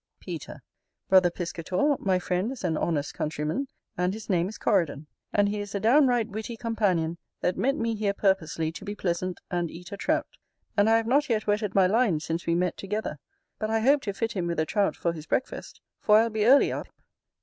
Peter. Brother Piscator, my friend is an honest countryman, and his name is Coridon; and he is a downright witty companion, that met me here purposely to be pleasant and eat a Trout; and I have not yet wetted my line since we met together: but I hope to fit him with a Trout for his breakfast; for I'll be early up.